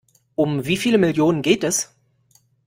Um wie viele Millionen geht es?